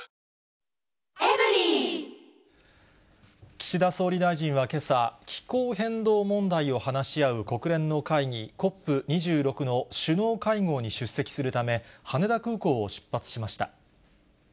岸田総理大臣はけさ、気候変動問題を話し合う国連の会議、ＣＯＰ２６の首脳会合に出席するため、羽田空港を出発しました。